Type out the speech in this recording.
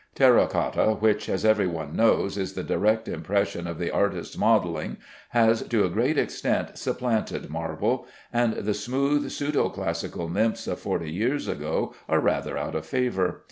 Terra cotta, which, as every one knows, is the direct impression of the artist's modelling, has to a great extent supplanted marble, and the smooth pseudo classical nymphs of forty years ago are rather out of favor.